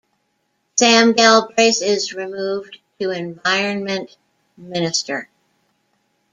Sam Galbraith is removed to Environment Minister.